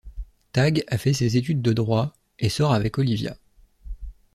Tag a fait des études de droit et sort avec Olivia.